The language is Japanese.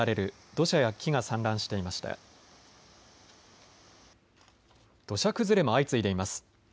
土砂崩れも相次いでいます。